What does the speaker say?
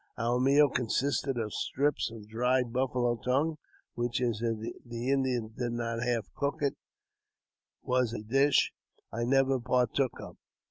Our meal consisted of strips of drie buffalo tongue, which, as the Indians did not half cook it, w£ a dish I never partook of.